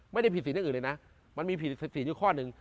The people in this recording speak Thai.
ไม่ได้ผิดศีลอยู่เลยมันมีผิดศีลข้าวหนึ่ง